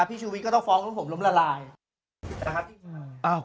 พี่ชูวิทย์ก็ต้องฟ้องแล้วผมล้มละลาย